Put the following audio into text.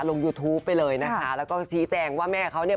ยูทูปไปเลยนะคะแล้วก็ชี้แจงว่าแม่เขาเนี่ย